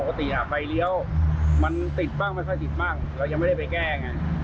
ปกติมันไปเรียวติดบ้างมันซ่าสิ่งบ้างไม่ได้ไปแกล้ง